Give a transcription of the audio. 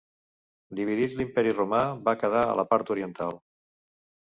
Dividit l'Imperi Romà va quedar a la part oriental.